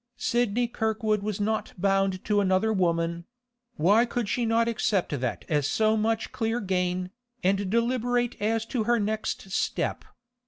Sidney Kirkwood was not bound to another woman; why could she not accept that as so much clear gain, and deliberate as to her next step?